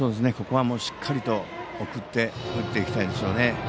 ここは、しっかりと送っていきたいですよね。